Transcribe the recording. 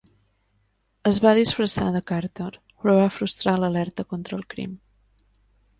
Es va disfressar de Carter, però va frustrar l'alerta contra el crim.